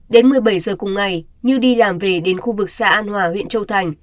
đến một mươi bảy giờ cùng ngày như đi làm về đến khu vực xã an hòa huyện châu thành